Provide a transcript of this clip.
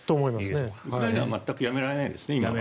ウクライナは全くやめられないですね、今は。